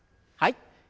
はい。